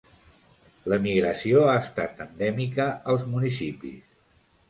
L'emigració ha estat endèmica als municipis.